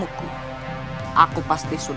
aku akan menang